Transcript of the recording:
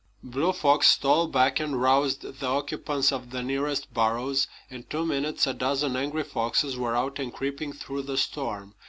Blue Fox stole back and roused the occupants of the nearest burrows. In two minutes a dozen angry foxes were out and creeping through the storm.